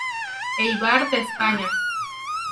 Eibar de España.